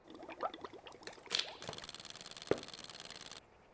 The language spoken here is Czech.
Věnoval se také komorní hudbě.